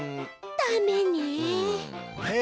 ダメね。